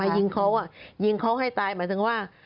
ยิงเขายิงเขาให้ตายหมายถึงว่า